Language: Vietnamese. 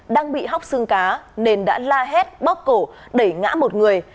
đang bị hóc xương cá nên đã la hét bóc cổ đẩy ngã một người